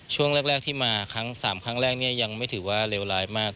ช่วงแรกที่มา๓ครั้งแรกนี้ยังไม่ถือว่าเร็วร้ายมาก